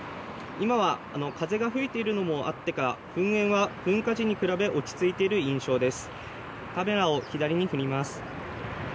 今は風が吹いているのもあってか噴煙は噴火時に比べて落ち着いている印象です。